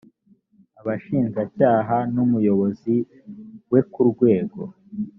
abashinjacyaha n umuyobozi we ku rwego